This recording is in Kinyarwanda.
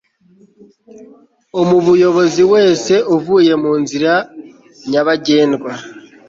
umuyobozi wese uvuye mu nzira nyabagendwa